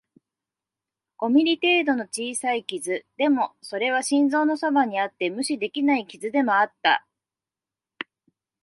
五ミリ程度の小さい傷、でも、それは心臓のそばにあって無視できない傷でもあった